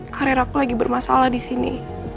karir aku lagi bermasalah disini